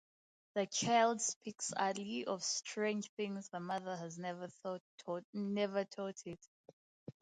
The child speaks early of strange things the mother has never taught it.